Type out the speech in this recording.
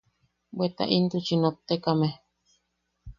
Bweta intuchi nottekame.